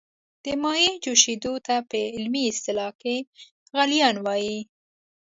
د مایع جوشیدو ته په علمي اصطلاح کې غلیان وايي.